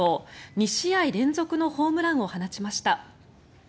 ２試合連続のホームランを放ちました。